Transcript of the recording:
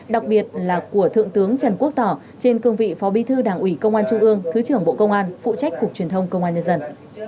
đặc biệt là của thượng tướng trần quốc tỏ trên cương vị phó bi thư đảng ủy công an trung ương thứ trưởng bộ công an phụ trách cục truyền thông công an nhân dân